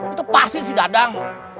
itu pasti si dadang